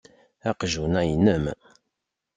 Aqjun-a inem.